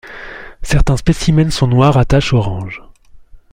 Certains spécimen sont noirs à taches orange.